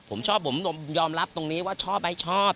ผมชอบผมยอมรับตรงนี้ว่าชอบไหมชอบ